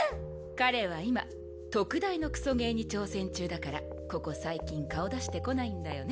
彼は今特大のクソゲーに挑戦中だからここ最近顔出してこないんだよね。